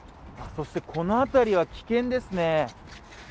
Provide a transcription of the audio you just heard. そしてこのあたりは危険ですね。